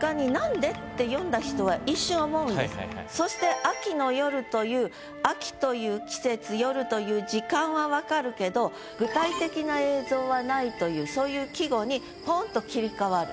その瞬間にそして「秋の夜」という秋という季節夜という時間は分かるけど具体的な映像はないというそういう季語にポンと切り替わる。